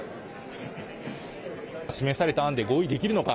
示された案で合意できるのか。